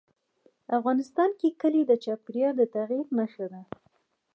افغانستان کې کلي د چاپېریال د تغیر نښه ده.